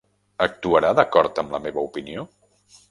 Actuarà d'acord amb la meva opinió?